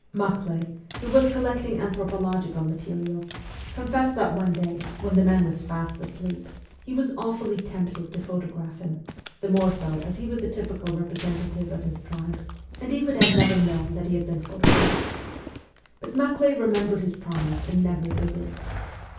Maklay, who was collecting anthropological materials, confessed that one day, when the man was fast asleep, he was awfully tempted to photograph him, the more so as he was a typical representative of his tribe and he would have never known that he had been photographed. But Maklay remembered his promise and never did it.